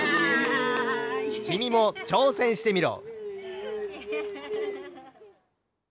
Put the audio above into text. きみもちょうせんしてみろ。